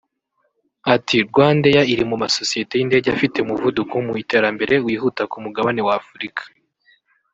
Ati ”RwandAir iri mu masosiyete y’indege afite umuvuduko mu iterambere wihuta ku mugabane w’Afurika